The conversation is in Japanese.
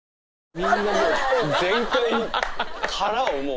みんな全開に殻をもう。